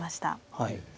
はい。